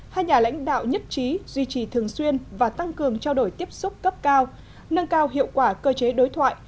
hai nhà lãnh đạo nhất trí duy trì thường xuyên và tăng cường trao đổi tiếp xúc cấp cao nâng cao hiệu quả cơ chế đối thoại